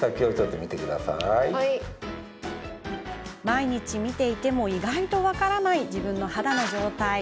毎日、見ていても意外と分からない自分の肌の状態。